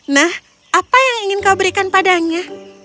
nah apa yang ingin kau berikan padanya